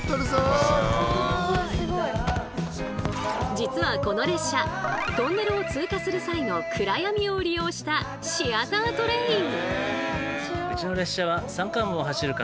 実はこの列車トンネルを通過する際の暗闇を利用したシアタートレイン。